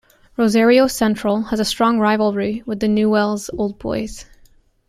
Rosario Central has a strong rivalry with Newell's Old Boys.